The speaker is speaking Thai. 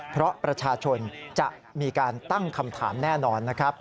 เพราะประชาชนจะมีการตั้งคำถามแน่นอนนะครับ